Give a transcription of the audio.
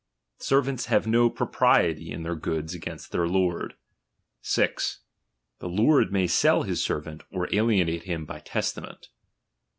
Servants have no propriety in their goods against iheir lord. 6. The lord may sell his servant, or alienate him by testament.